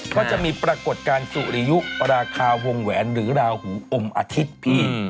ก็จะมีปรากฏการณ์สุริยุปราคาวงแหวนหรือราหูอมอาทิตย์พี่